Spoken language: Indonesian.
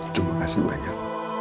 terima kasih banyak